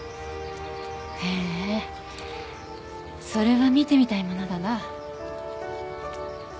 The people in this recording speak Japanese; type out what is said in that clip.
へぇそれは見てみたいものだな。